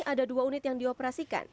ada dua unit yang dioperasikan